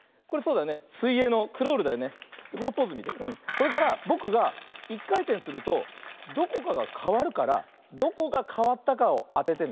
これからぼくが１かいてんするとどこかがかわるからどこがかわったかをあててね。